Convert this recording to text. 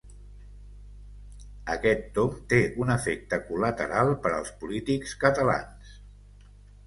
Aquest tomb té un efecte col·lateral per als polítics catalans.